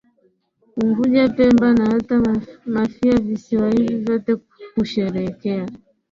Unguja pemba na hata Mafia visiwa hivi vyote husherehekea